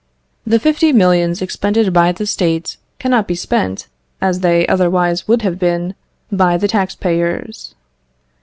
The fifty millions expended by the State cannot be spent, as they otherwise would have been, by the tax payers.